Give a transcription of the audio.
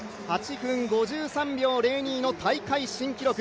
８分５３秒０２の大会新記録。